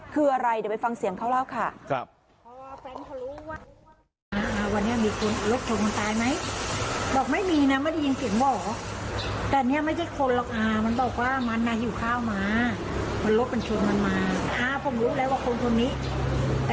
คืออะไรเดี๋ยวไปฟังเสียงเขาเล่าค่ะ